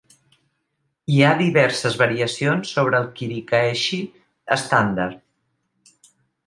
Hi ha diverses variacions sobre el kirikaeshi estàndard.